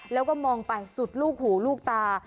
แล้วก็มองไปสุดลูกหูลูกตา